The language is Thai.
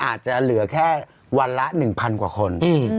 อาจจะเหลือแค่วันละ๑๐๐กว่าคน